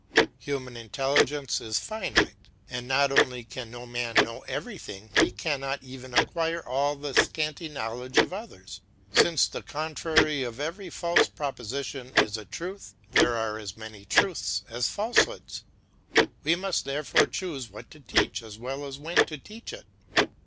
Human intelligence is finite, and not only can no man know everything, he cannot even acquire all the scanty knowledge of others. Since the contrary of every false proposition is a truth, there are as many truths as falsehoods. We must, therefore, choose what to teach as well as when to teach it.